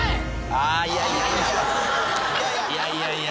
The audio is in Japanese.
ああいやいやいや。